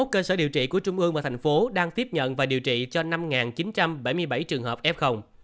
hai mươi một cơ sở điều trị của trung mường và thành phố đang tiếp nhận và điều trị cho năm chín trăm bảy mươi bảy trường hợp f